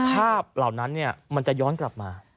เหล่านั้นมันจะย้อนกลับมา